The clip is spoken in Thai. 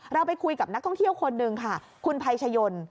เราไปคุยกับนักท่องเที่ยวคนหนึ่งค่ะคุณภัยชยน